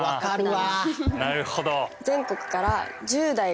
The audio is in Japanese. なるほど。